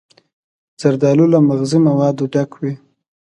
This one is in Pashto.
زردالو له مغذي موادو ډک وي.